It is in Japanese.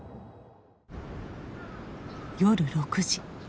夜６時。